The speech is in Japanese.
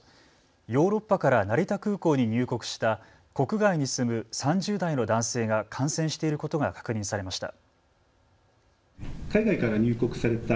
ヨーロッパから成田空港に入国した国外に住む３０代の男性が感染していることが確認されました。